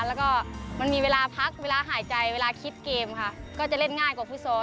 แล้วก็มันมีเวลาพักเวลาหายใจเวลาคิดเกมค่ะก็จะเล่นง่ายกว่าฟุตซอล